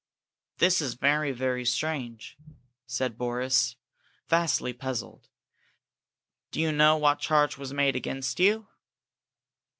"That is very, very strange," said Boris, vastly puzzled. "Do you know what charge was made against you?"